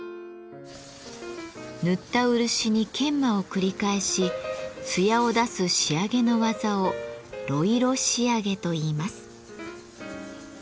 塗った漆に研磨を繰り返し艶を出す仕上げの技を「呂色仕上げ」といいます。